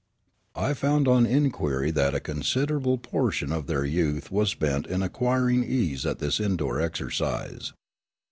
I found on inquiry that a considerable portion of their youth was spent in acquiring ease at this indoor exercise.